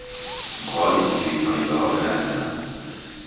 Brod est situé sur les bords de la Drina.